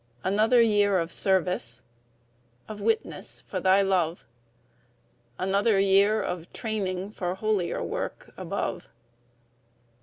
Another year of service, Of witness for Thy love; Another year of training For holier work above.